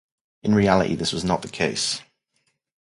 In reality, this was not the case.